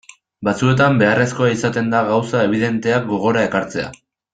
Batzuetan beharrezkoa izaten da gauza ebidenteak gogora ekartzea.